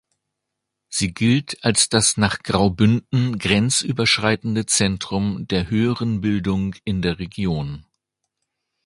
Sie gilt als das nach Graubünden grenzüberschreitende Zentrum der höheren Bildung in der Region.